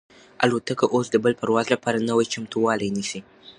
الوتکه اوس د بل پرواز لپاره نوی چمتووالی نیسي.